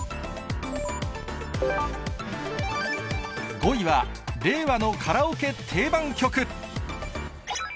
５位は令和のカラオケ定番曲。